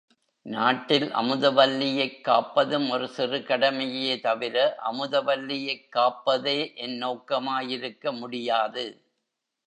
நாட்டில் அமுதவல்லியைக் காப்பதும் ஒரு சிறு கடமையே தவிர அமுதவல்லியைக் காப்பதே என் நோக்கமாயிருக்க முடியாது.